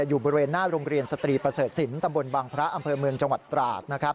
อยู่บริเวณหน้าโรงเรียนสตรีประเสริฐศิลปตำบลบังพระอำเภอเมืองจังหวัดตราดนะครับ